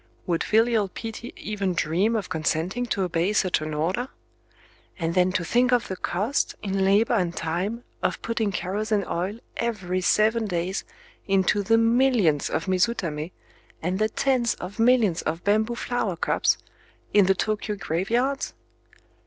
Would filial piety even dream of consenting to obey such an order? And then to think of the cost, in labor and time, of putting kerosene oil, every seven days, into the millions of mizutamé, and the tens of millions of bamboo flower cups, in the Tōkyō graveyards!...